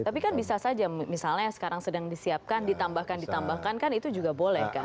tapi kan bisa saja misalnya sekarang sedang disiapkan ditambahkan ditambahkan kan itu juga boleh kan